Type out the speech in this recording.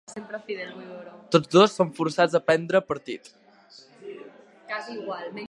Tots dos són forçats a prendre partit.